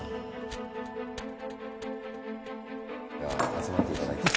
集まっていただいて。